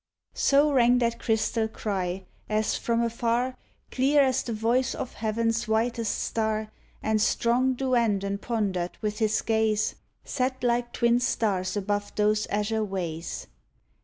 So rang that crystal cry, as from afar, Clear as the voice of Heaven's whitest star, And strong Duandon pondered, with his gaze 13 DUJNDON Set like twin stars above those azure ways.